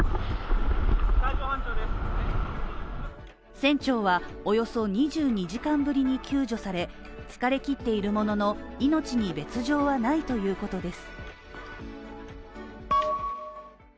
船長はおよそ２２時間ぶりに救助され、疲れ切っているものの命に別状はないということです。